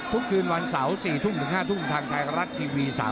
ทุกคืนวันเสาร์๔๕ทางไทยรัททีวี๓๒